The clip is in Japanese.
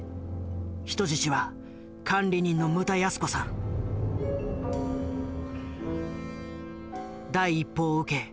人質は管理人の第一報を受け